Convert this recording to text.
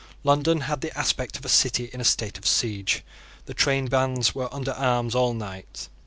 London had the aspect of a city in a state of siege. The trainbands were under arms all night.